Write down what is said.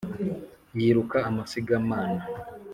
Yiruka amasigamana